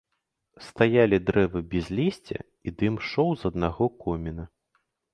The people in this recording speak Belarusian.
Стаялі дрэвы без лісця, і дым ішоў з аднаго коміна.